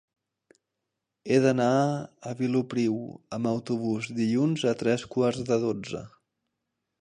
He d'anar a Vilopriu amb autobús dilluns a tres quarts de dotze.